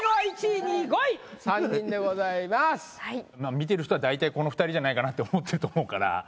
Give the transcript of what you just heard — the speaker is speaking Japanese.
見てる人は大体この２人じゃないかなって思ってると思うから。